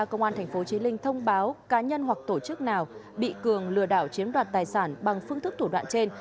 công an tp chí linh thông báo cá nhân hoặc tổ chức nào bị cường lừa đảo chiếm đoạt tài sản bằng phương thức thủ đoạn trên